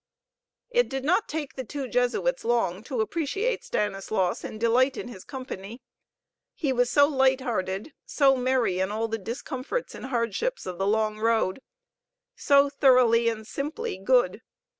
It did not take the two Jesuits long to appreciate Stanislaus and delight in his company. He was so light hearted, so merry in all the discomforts and hardships of the long road, so thoroughly and simply good.